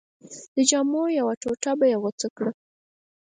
د جامو یوه ټوټه به یې غوڅه کړه.